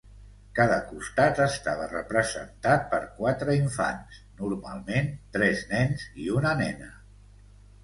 Cada costat estava representat per quatre infants, normalment tres nens i una nena.